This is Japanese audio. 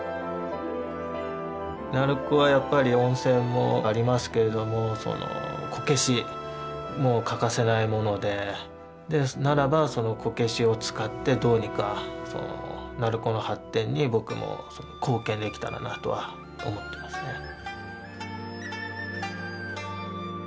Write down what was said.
鳴子はやっぱり温泉もありますけれどもこけしも欠かせないものでならばそのこけしを使ってどうにか鳴子の発展に僕も貢献できたらなとは思ってますね。